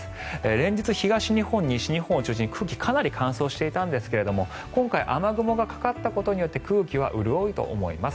連日東日本、西日本を中心に空気かなり乾燥していたんですが今回雨雲がかかったことによって空気は潤うと思います。